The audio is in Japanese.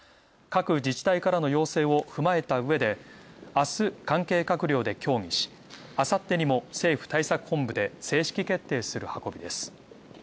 各自治体からの要請を踏まえた上で、あす関係閣僚で協議し、あさってにも政府対策本部で正式決定する運びです。